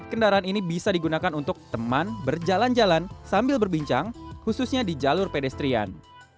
kendaraan ini bisa digunakan untuk teman berjalan jalan sambil berbincang khususnya di jalur pedestrian